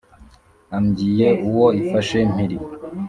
ambwiye uwo ifashe mpiri